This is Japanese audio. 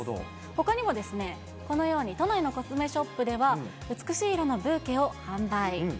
ほかにもこのように、都内のコスメショップでは、美しい色のブーケを販売。